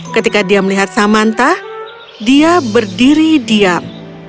ketika dia melihat samantha dia berdiri diam